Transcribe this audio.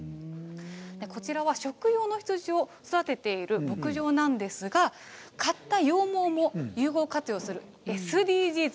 こちらは食用の羊を育てている牧場なんですが刈った羊毛も有効活用するＳＤＧｓ